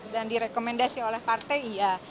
dan direkomendasi oleh partai iya